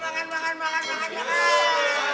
makan makan makan